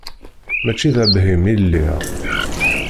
Mačči d abhim i lliɣ.